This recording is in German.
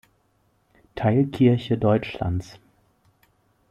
Teilkirche Deutschlands.